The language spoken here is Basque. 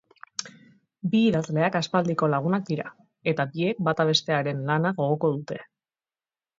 Bi idazleak aspaldiko lagunak dira, eta biek bata bestearen lana gogoko dute.